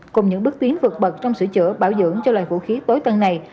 cùng những bước tiến vượt bật trong sửa chữa bảo dưỡng cho loài vũ khí tối tân này